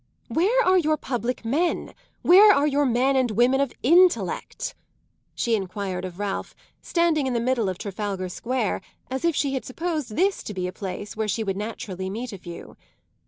"Where are your public men, where are your men and women of intellect?" she enquired of Ralph, standing in the middle of Trafalgar Square as if she had supposed this to be a place where she would naturally meet a few.